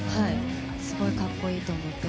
すごい格好いいと思って。